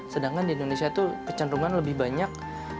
sedangkan di indonesia itu kecenderungan lebih banyak